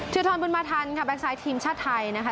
ถือถอนบุญมาทันค่ะแบ็คไซด์ทีมชาติไทยนะคะ